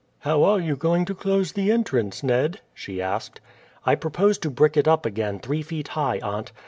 "How are you going to close the entrance, Ned?" she asked. "I propose to brick it up again three feet high, aunt.